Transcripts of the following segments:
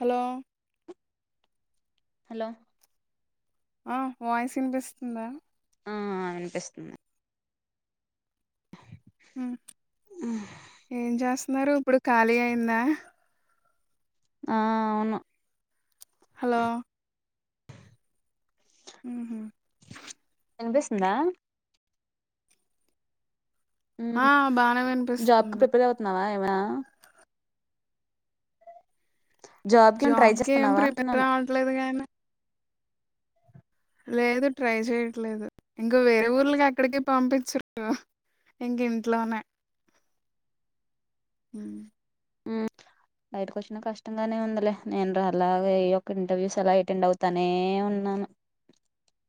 Hello hello ఆ voice వినిపిస్తుందా ఆ ఆ వినిపిస్తుంది ఉమ్ ఏం చేస్తన్నారు ఇప్పుడు ఖాళీ అయిందా ఆ అవును హలో ఉమ్ వినిపిస్తుందా ఆ ఉమ్ బానే జాబ్ కి వినిపిస్తుంది ప్రిపేర్ అవుతున్నావా ఏమి అన్న జాబ్ కి ట్రై జాబ్కి ఏం చేస్తున్నావా ప్రిపేర్ అంటున్నాను అవట్లేదు కానీ లేదు ట్రై చేయట్లేదు ఇంకో వేరే ఊర్లకి ఎక్కడికి పంపించరు ఇంకా ఇంట్లోనే బయటకు వచ్చినా కష్టంగానే ఉందిలే నేను ర అలాగే ఎ ఓక్క ఇంటర్వ్యూస్ అలా అటెండ్ అవుతానే ఉన్ నాన్ను [inaudible]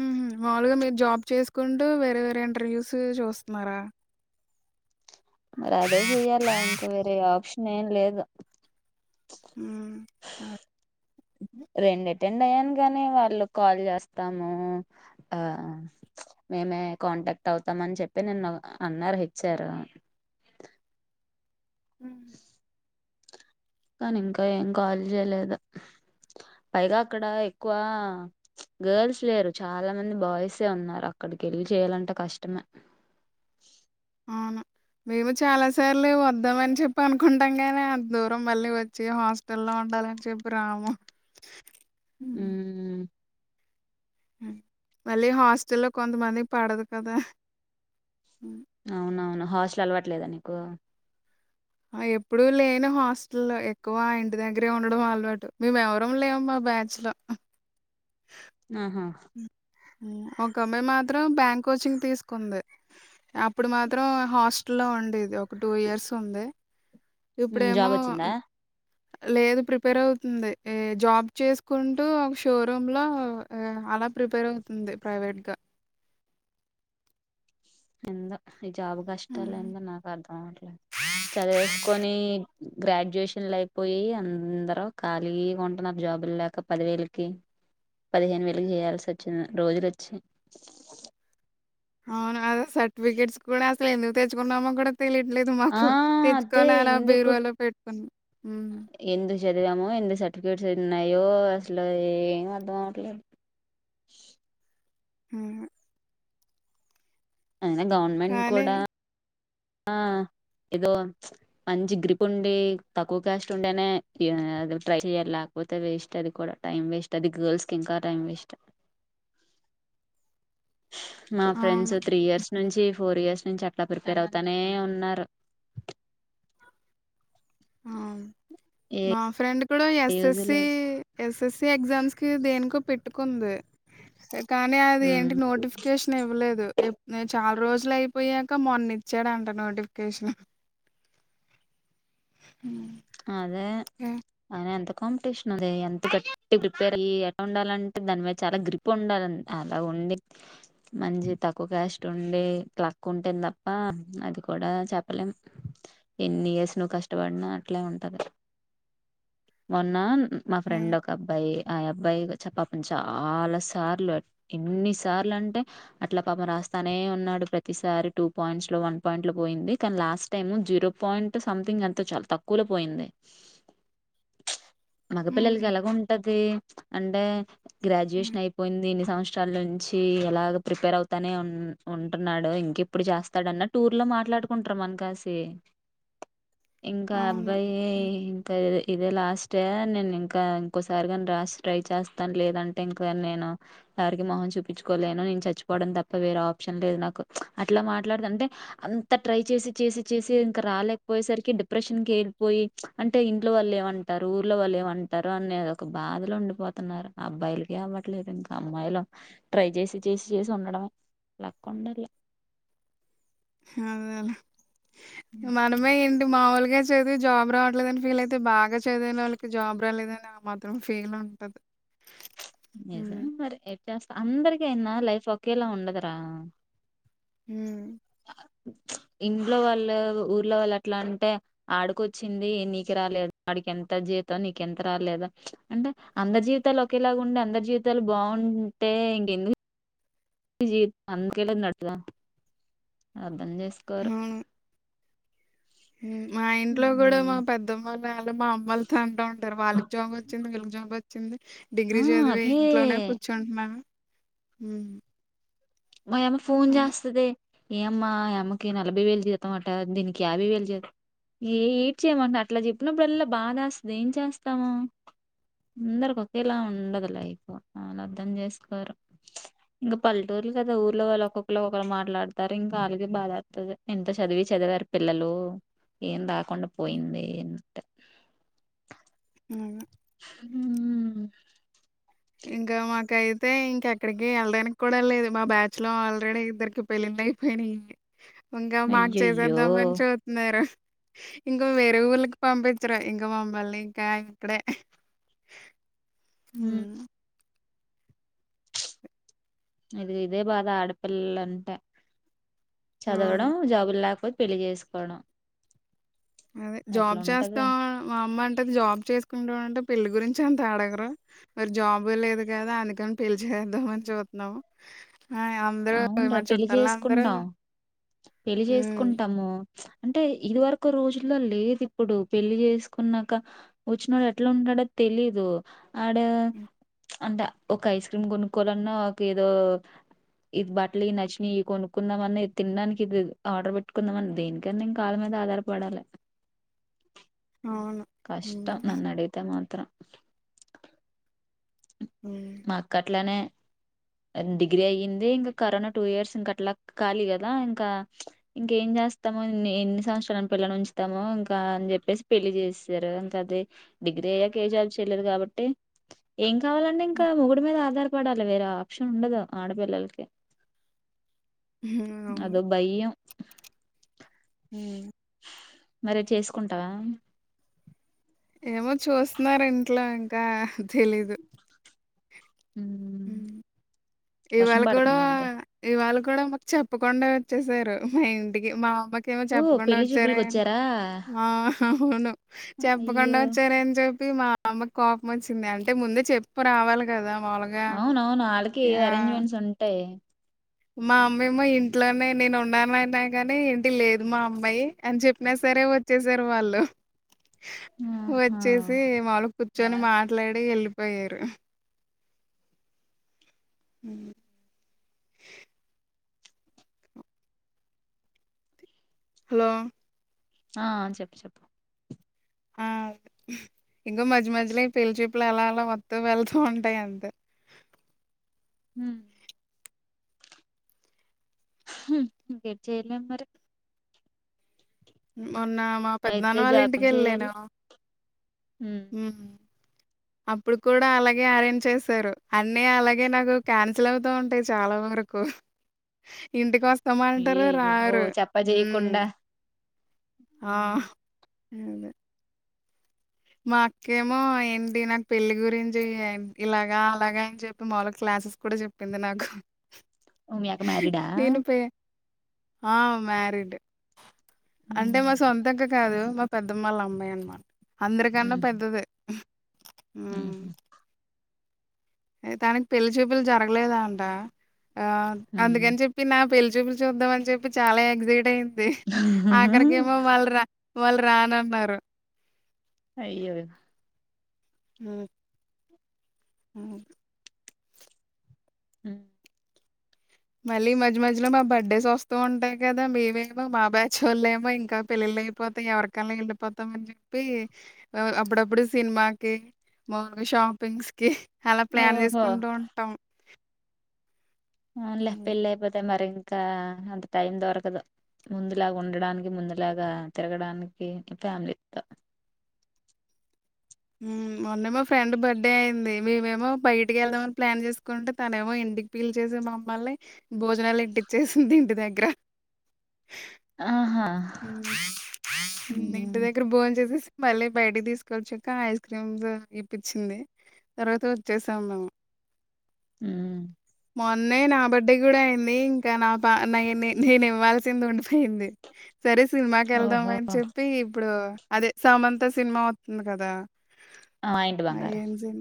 ఉమ్ మాములుగా మీరు జాబ్ చేసుకుంటూ వేరే వేరే ఇంటర్వ్యూస్ చూస్తన్నారా మరి అదే చెయ్యాలా ఇంకా వేరే ఆప్షన్ ఏం లేదు ఉమ్ ఆ రెండు అటెండ్ అయ్యాను గానీ వాళ్ళు కాల్ చేస్తాము ఆ ఉచ్ మేము నేన్ కాంటాక్ట్ అవుతామని చెప్పి నిన్న అన్నారు హెచ్చారు [inaudible] ఉమ్. [inaudible] కానీ ఇంకా ఏం కాల్ చేయలేదు. పైగా అక్కడ ఎక్కువ గర్ల్స్ లేరు చాలా మంది బాయ్సే ఉన్నారు అక్ అక్కడికెల్లి చేయ్యాలంటే కష్టమే. [inaudible] అవును మేము చాలా సార్లు వద్దామ అని చెప్పి అనుకుంటాం నీ అంత దూరం మళ్ళీ వచ్చి హాస్టల్ లో ఉండ లాన్ చెప్పిరాము. ఉ మళ్ళీ హాస్టల్లో కొంతమందికి పడదు కదా. అవునవును హాస్టల్ అలవట్లేదా నీకు? ఆ ఎప్పుడు లేను హాస్టల్లో ఎక్కువ ఇంటి దగ్గరే ఉండడం అలవాటు మేము ఎవరం లేమా బ్యాచ్లో. ఆహా ఉహ్ ఒక అమ్మాయి మాత్రం బ్యాంక్ కోచింగ్ తీసుకుంది అప్పుడు మాత్రం హాస్ట లో ఉండేది ఒక టూ ఇయర్స్ ఉంది ఉమ్, ఇప్పుడేమో జాబ్ వచ్చిందా లేదు ప్రిపేర్ అవుతుంది. ఏ జాబ్ చేసుకుంటూ ఒక షోరూమ్ లో అలా ప్రిపేర్ అవుతుంది ప్రైవేట్ గా ఎందో ఈ జాబ్ కష్టాలు ఎందో నాకు అర్ధం అవట్లేదు చదివేసుకొని గ్రాడ్యుయేషన్లు అయిపోయి అందరూ ఖాళీగా ఉంటున్నారు జాబుల్లు లేక పదివేలకి పదిహేను వేలుకి చేయాల్సి వచ్చింది రోజులు వచ్చి అవును అసలు సర్టిఫికెట్స్ కూడా అస్సలు ఎందుకు తెచ్చుకుంటున్నామో కూడా తెలియట్లేదు ఆ మాకు అదే తెచ్చుకొని అనా ఎందుకు బేరువాలో పెట్టుకున్నాం. ఎందుకు చదివామో ఎందుకు సర్టిఫికేట్స్ ఉన్నాయో అసలు ఏం అర్ధం అవట్లేదు. ఆ అయినా గవర్నమెంట్ కానీ కూడా ఆ ఏదో మంచి గ్రిప్ ఉండి తక్కువ క్యాస్ట్ ఉంటేనే ఇగ ట్రై చెయ్యాల. పోతే వేస్ట్ అది కూడా టైం వేస్ట్ అది గర్ల్స్ కి ఇంకా టైం వేస్ట్ [inaudible] మా ఫ్రెండ్స్ అవును. త్రీ ఇయర్స్ నుంచి ఫోర్ ఇయర్స్ నుంచి అట్లా ప్రిపేర్ అవు తనే ఉన్నరు. అవును ఏ మా ఫ్రెండ్ కూడా యూజ్ ఎస్ఎస్సి లేదు ఎస్ఎస్సి ఎగ్జామ్స్ కి దేనికో పెట్టుకుంది. ఏక్ కానీ అది ఉమ్, ఏంటి నోటిఫికేషన్ ఇవ్వలేదు ఏప్ నేన్ చాల్ రోజులు అయిపోయాక మొన్న ఇచ్చాడంట నోటిఫికేషను. అదే హ్మ్. అదే అంతక్ కాంపిటీషన్ అదే ఎంత గట్టి ప్రిపేర్ అయి ఎలా ఉండాలంటే దాని మీద చాలా గ్రిప్ ఉండాలన్ అలా ఉన్ ండి మంచి తక్కువ క్యాస్ట్ ఉండి లక్ ఉంటేనే తప్ప అది కూడా చ లేం ఎన్ని ఇయర్స్ నువ్వు కష్టవడినన్ అట్లే ఉంటది. మొన్న మా ఫ్రెండ్ హ్మ్. ఒక అబ్బాయి ఆ అబ్బాయిచ్చ పాపం చాలా సార్లు ఎన్ని సార్లు అంటే అట్లా పాపం రా స్తనే ఉన్నాడు ప్రతిసారి టూ పాయింట్సలో వన్ పాయింట్ లో పోయింది కానీ last time zero point something అంత చళ్తావ్ కులో పోయింది. మగ పిల్లలకి హుహు. ఎలాగ ఉంటది. అంటే హ్మ్. గ్రాడ్యుయేషన్ అయిపోయింది. సంవత్సరాల నుంచి ఎలాగో ప్రిపేర్ అవుతానే ఉం ఉంటున్నాడు ఇంకెప్పుడు చేస్తాడన్న టూర్ లో. మాట్లాడుకుంటార మనకలిసి ఇంకా అవును. అబ్బాయి హ్మ్. ఇంకా. ఇదే లాస్ట్ నేను ఇంకా ఇంకోసారిగాని రాసి ట్రై చేస్తాను లేదంటే ఇంకా నేను. ఎారికి మొహం చూపించుకోలేను నేను చచ్చిపోవడం తప్ప వేరే ఆప్షన్ లేదు నాకు ప్చ్ అట్లా మాట్లాడోదు అంటే. ఇంతా ట్రై చేసి చేసి చేసి ఇంకా రాలేకపోయేసరికి డిప్. డిప్రెషన్ కి వెళ్ళిపోయి అంటే ఇంట్లోవాళ్లు ఏమంటారు ఊర్లో వాళ్ళు ఏమంటారు అనే ఒక బాధలో ఉండిపోతారు. అయిపోతున్నారు అబ్బాయిలకే అవ్వట్లేదు ఇంకా అమ్మాయిలు ట్రై చేసి చేసి చేసి ఉండడంమే. లక్కుండాలే. అదేలే మనమే ఏంటి మాముూలే. ఇదే చదివి జాబ్ రావట్లేదని ఫీల్ అయితే బాగా చదువినోళ్ళకి జాబ్ రాలేదని. ఆ మాత్రం ఫీల్ ఉంటది. నిజమే హ్మ్. మరి చేస్తా అందరికి అయినా లైఫ్ ఒకేలా ఉండదురా. ఉమ్. ఇంట్లో వాళ్ళు ఊర్లో వాళ్ళు అట్లా అంటే ఆడికొచ్చింది నీకు రాలేదు ఆడికి ఎంత జీ. నీకు ఎంత రాలేదు ప్చ్ అంటే అందరి జీవితాలు ఒకేలాగా. ఉంటే అందరి జీవితాలు బాగుంటే ఇంకెందుకు. జీవి అందుకేలే నటుద. అర్థంచేసుకోరు. ఉమ్ మా ఇంట్లో కూడా మా పెద్దమ్మ వాళ్ళు మా అమ్మళ్ళతో అంటా ఉంటారు వాళ్ళకి జాబ్ వచ్చింది వీళ్ళకి జాబ్ వచ్చ. వచ్చింది ఆ డిగ్రీ చదివి అదే ఇంట్లోనే కూర్చుంటున్నాం ఉమ్. మాయమ్మ ఫోన్ జెస్తది. ఏమ్మా ఈ అమ్మకి నలభై వేలు జీతమాట దీనికి యాభై వేలు జీతం ఏ ఏడ్ చేయమంటున్నారు అట్లా చెప్పినప్పుడుల్లా బాధ ఎస్తది ఏం చేస్తాము. అందరికీ ఒకేలా ఉండదు లైఫ్ వాళ్ళు అర్థం చేసుకోరు ప్చ్ ఇంకా పల్లెటూరు. కదా ఊర్లో వాళ్ళు ఒక్కొక్కరు ఒకల మాట్లాడతారు ఇంకా అళ్ళగే బాదేతైది ఇంత చదివి చదివారు పిల్లలు. ఏం రాకుండా హ్మ్. పోయింది అంటే. అవును. ఉమ్. ఇంకా మాకయితే ఇంకెక్కడికి వెళ్ళడానికి కూడా లేదు మా బ్యాచ్ లో ఆల్రెడీ ఇద్దరికి పెళ్లైంది. అయిపోయినయి ఇంకా మాకు అయ్యయ్యో చేసేద్దామని చూస్తున్నారు. ఇంకా వేరే ఊళ్ళకి పంపించరు ఇంకా మమ్మల్ని ఇంకా ఇక్కడే. ఆహ్. హ్మ్ ఇది ఇదే బాధ ఆడపిల్లలంటే అవును చదవడం జాబులేకపోతే. పెళ్లి చేసుకోవడం. అదే జాబ్ ఎట్లా ఉంటది చేస్తాం మా అమ్మంట్. అంటుంది జాబ్ చేసుకుంటం అంటే పెళ్లి గురించి అంత అడగరు మరి జాబే లేదు కదా అందుకని పెళ్లి చేస్. అందమని చూతున్నాము. ఆ అందరూ అవునురా మా పెళ్లి చుట్టాల అందరూ చేసుకుంటాం పెళ్లి అవును చేసుకుంటాము. అంటే ఇదివరకు రోజుల్లో లేదు ఇప్పుడు పెళ్లి చేసుకున్నాక వచ్చినోడు ఎట్లా ఉంటాడు. అడ తెలీదు. ఆడ ఉ ప్చ్ అంటే ఒక ఐస్ క్రీమ్ కొనుక్కోవాలన్నా ఒక ఏదో. ఇది బట్టలు ఇవి నచ్చినయ్ కొనుక్కుందాం అని తినడానికి ఇది ఆర్డర్ పెట్టుకుందాంని దేనికన్నా ఇంకా వాల మీద ఆధార. ఆధారపడాలే. అవును కష్టం నన్ అడిగితే మాత్రం మా అక్కట్లానే డిగ్రీ అయింది ఇంకా కరోనా టూ ఇయర్స్ ఇంక అట్లా ఖాళీ కదా ఇంకా ఇంకేం చేస్త స్తాము ఎన్ని సంవత్సరాలను పిల్లని ఉంచుతాము ఇంకా అని చెప్పేసి పెళ్లి చేస్తారు ఇంకా అది డిగ్రీ గ్రీ అయ్యాక ఏ జాబ్ చేయలేరు కాబట్టి ఏం కావాలండి ఇక మొగుడు మీద ఆధారపడాలి వేరే ఆప్షన్ ఉండదు ఆడపిల్లలకి అదో భయం హ్మ్. మరి చేసుకుంటావా ఏమో చూస్తున్నారు ఇంట్లో ఇంకా తెలీదు ఉమ్, వర్షం ఇవాళ కూడా పడుతుందంటే ఇవాళ కూడా కూడా మాకు చెప్పకుండా వచ్చసారు మా ఇంటికి మా అమ్మకి ఏమో ఓ చెప్పకుండా పెళ్లి వచ్చారా చూపులకి అని ఆ అవును చెప్పకుండా అయ్యో వచ్చారని చెప్పి మా అమ్మకి కోపం వచ్చింది అంటే ముందే చెప్పు రావాలి కదా మాములుగా అవునవును వాళ్ళకి ఏ యాహ్! అరేంజ్మెంట్స్ ఉంటాయి మా అమ్మాయి ఏమో ఇంట్లోనే నేను ఉన్నాన అయినా కానీ ఏంటి లేదు మా అమ్మాయి అని చెప్పినా సరే సరే వచ్చేసారు వాళ్ళు ఆహా. వచ్చేసి మమ్ముల్ కూర్చొని మాట్లాడి వెళ్ళిపోయారు ఉ హలో ఆ చెప్పు చెప్పు ఆ ఇంకా మధ్య మధ్యలో ఈ పెళ్లిచూపులు ఎలా అలా వద్దు వెళ్తూ ఉంటాయి అంతే మ్మ్ ఉహ్ ఇంకేటి చేయలేము మరి మొన్న మా పెద్దనాన్న అయితే వాళ్ళ జాబ్ ఇంటికి చేయాలి వెళ్ళను ఉమ్ ఉ అప్పుడు కూడా అలాగే అరేంజ్ చేశారు అన్ని అలాగే నాకు క్యాన్సిల్ అవుతూ ఉంటాయి చాలా వరకు ఇంటికి వస్తామ అంటారు అయ్యయ్యో ఓ రారు చెప్ప ఉమ్ చేయకుండా ఆ అదే మా అక్కేమో ఏంటి నాకు పెళ్లి గురించి ఇలాగా అలాగ అని చెప్పి మాలు క్లా క్లాస్సేస్ కూడా చెప్పింది నాకు ఓ మీ అక్క మ్యారీడా నేను ప ఆ మరీడ్ అంటే మా హ్మ్. సొంతంగా కాదు మా పెద్దమ్మళ్ళ అమ్మాయి అన్నమాట అందరికన్నా పెద్దదే మ్మ్ ఉమ్ తనకి పెళ్లి చూపులు జరగలేదా అంట ఆ హ్మ్. అందుకని చెప్పి నా పెళ్లిచూపులు చూద్దాం అని చెప్పి చాలా ఎగ్జైట్ అయింది ఆఖరికి ఏమో వాళ్ళు రా వాళ్ళు రానన్నారు అయ్యో ఉమ్ మ్మ్ ఉ మళ్ళీ మధ్య మధ్యలో మా బర్త్డేస్ వస్తూ ఉంటాయి కదా మేమేమో మా బ్యాచ్ వాళ్ళ ఏమో ఇంకా పెళ్ళిళ ళ్లిలు అయిపోతాం ఎవరికల్న్ వెళ్ళిపోతాం అని చెప్పి అప్పుడప్పుడు సినిమాకి మాముల్గా షాపింగ్స్ కి అలా ప్లాన్ ఓహో చేసుకుంటూ ఉంటాం అవున్లే హ్మ్. పెళ్లి అయిపోతే మరి ఇంకా అంత టైం దొరకదు ముందులాగా ఉండడానికి ముందులాగా తిరగడానికి ఫ్యామిలీతో ఉమ్ మొన్న ఫ్రెండ్ బర్త్డే అయ్యింది మేమేమో బయటకి వెళ్దామని ప్లాన్ చేసుకుంటే తన ఏమో ఇంట్ ఇంటికి పీల్చేసి మమ్మల్ని భోజనాలు ఎట్టిచ్చేసింది ఇంటి దగ్గర ఆహా ఇంటి దగ్గర బోంచేసేసి మళ్ళీ బయటికి తీసుకొచ్చాక ఐస్ క్రీమ్స్ ఇప్పిచ్చింది తర్వాత వచ్చేసాం మేము ఉమ్ మొన్న నా బర్డే కూడా అయింది ఇంకా నా పా నా నేను ఇవ్వాల్సింది ఉండిపోయింది సరే సినిమాకి వెళ్దాం ఓహో అని చెప్పి ఇప్పుడు అదే సమంత సినిమా వత్తంది కదా మాయింటి ఆ! బంగారం ఏం సినిమా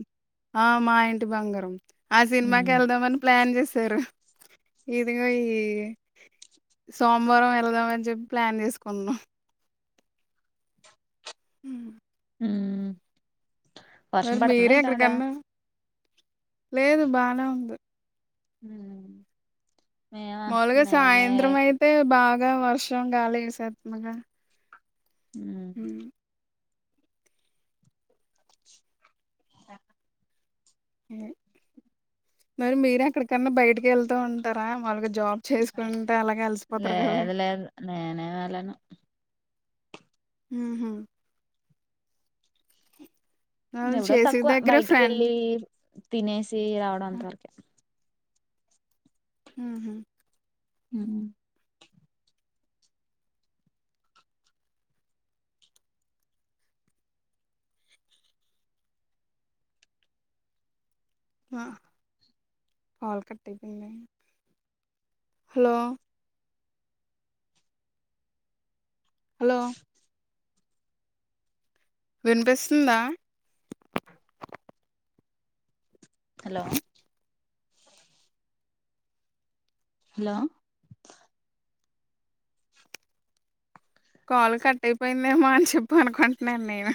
ఆ మా ఇంటి బంగారం ఆ సినిమాకి ఉమ్ వెళ్దామని ప్లాన్ చేస్ సరే ఇదింగా ఈ సోమవారం వెళ్దామని చెప్ ప్లాన్ చేసుకున్నా ఉ ఉ మరి మీరే ఎక్కడికన్నా లేదు బానే ఉంది ఊ మావుల్గా సాయంత్రం అయితే బాగా వర్షం గాలి వేసేత్దంగా ఉ ఆ మరి మీర ఎక్కడికన్నా బయటికి వెళ్తా ఉంటారా మావుల్గా జాబ్ చేసుకుంటే అలాగే అలిసిపోతారు కదా లేదు లేదు నేనే వెళ్ళను ఊహు వాళ్ళు నేవుడా చేసే తక్కువ దగ్గర బయటికి ఫ్రెండ్ వెళ్ళి తినేసి రావడం అంత హ్మ్. వరకే ఊహు హు హా కాల్ కట్టైపేందా హలో హలో వినిపిస్తుందా? హలో హలో కాలు కట్ అయిపోయిందేమో అని చెప్ప్ అనుకుంటున్నా నేను